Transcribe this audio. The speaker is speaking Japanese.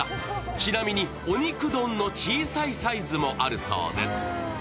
ちなみに、鬼く丼の小さいサイズもあるそうです。